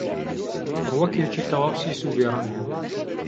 ڕووەکێکی تەواو سیس و بێڕەنگ بوو